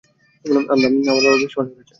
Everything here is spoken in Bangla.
আমার বাবা বিষপান করেছে।